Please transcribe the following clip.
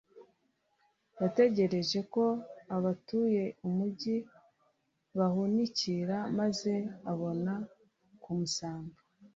, yategereje ko abatuye umugi bahunikira, maze abona kumusanga.